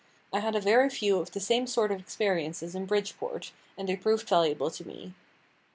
I had a very few of the same sort of experiences in Bridgeport, and they proved valuable to me.